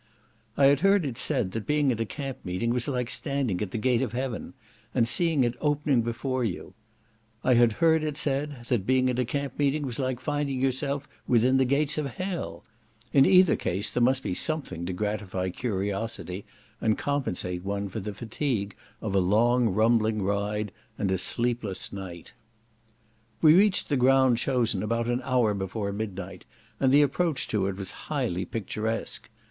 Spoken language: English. I had heard it said that being at a camp meeting was like standing at the gate of heaven, and seeing it opening before you; I had heard it said, that being at a camp meeting was like finding yourself within the gates of hell; in either case there must be something to gratify curiosity, and compensate one for the fatigue of a long rumbling ride and a sleepless night. We reached the ground about an hour before midnight, and the approach to it was highly picturesque.